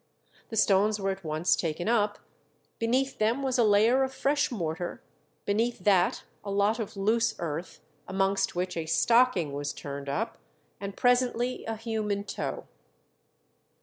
The stones were at once taken up; beneath them was a layer of fresh mortar, beneath that a lot of loose earth, amongst which a stocking was turned up, and presently a human toe.